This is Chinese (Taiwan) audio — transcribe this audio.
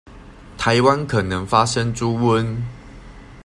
臺灣可能發生豬瘟